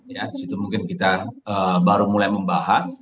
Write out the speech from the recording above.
ya disitu mungkin kita baru mulai membahas